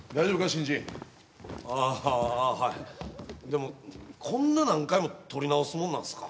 新人ああはいでもこんな何回も撮り直すもんなんすか？